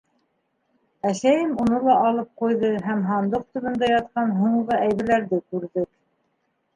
Әсәйем уны ла алып ҡуйҙы һәм һандыҡ төбөндә ятҡан һуңғы әйберҙәрҙе күрҙек.